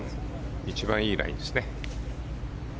一番いいラインですね。